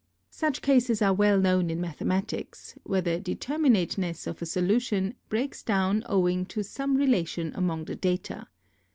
Such cases are well known in mathematics, where the determinateness of a solution breaks down owing to some relation among the data.